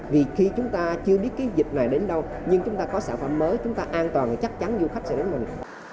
vì khi chúng ta chưa biết cái dịch này đến đâu nhưng chúng ta có sản phẩm mới chúng ta an toàn thì chắc chắn du khách sẽ đến mình